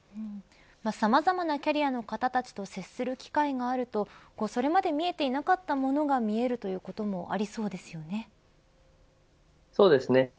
さまざまなキャリアの方たちと接する機会があるとそれまで見えていなかったものが見えるということもそうですね。